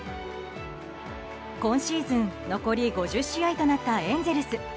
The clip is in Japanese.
今シーズン残り５０試合となったエンゼルス。